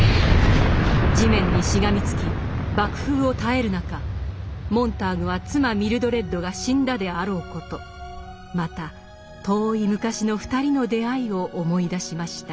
地面にしがみつき爆風を耐える中モンターグは妻ミルドレッドが死んだであろうことまた遠い昔の２人の出会いを思い出しました。